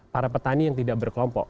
para petani yang tidak berkelompok